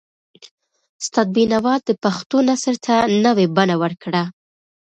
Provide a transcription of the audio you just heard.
استاد بینوا د پښتو نثر ته نوي بڼه ورکړه.